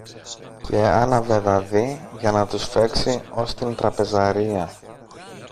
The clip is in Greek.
και άναβε δαδί, για να τους φέξει ως την τραπεζαρία.